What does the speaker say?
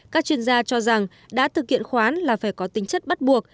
các chuyên gia cho rằng đã thực hiện khoán là phải có tính chất bắt buộc